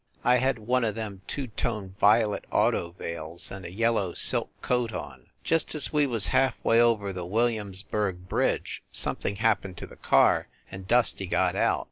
I had one o them two toned violet auto veils and a yellow silk coat on. Just as we was half way over the Williamsburgh bridge something happened to the car and Dusty got out.